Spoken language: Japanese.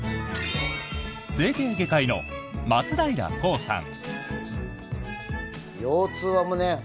整形外科医の松平浩さん。